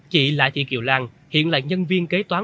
chị lại thị kiều lan hiện là nhân viên kế toán